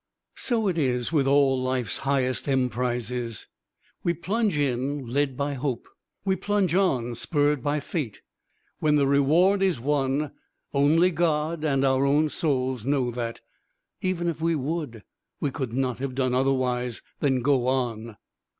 So it is with all life's highest emprises. We plunge in led by hope. We plunge on spurred by fate. When the reward is won, only God and our own souls know that, even if we would, we could not have done otherwise than go on.